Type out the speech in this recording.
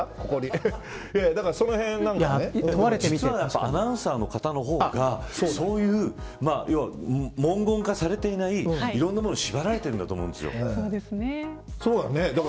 実はアナウンサーの方のほうがそういう文言化されていないいろんなことに縛られているんだと思うんですよ。